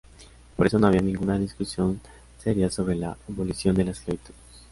Por eso no había ninguna discusión seria sobre la abolición de la esclavitud.